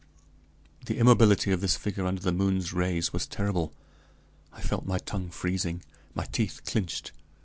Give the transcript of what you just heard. The immobility of this figure under the moon's rays was terrible. I felt my tongue freezing, my teeth clinched.